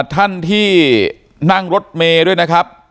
ท่านที่นั่งรถเมย์ด้วยนะครับ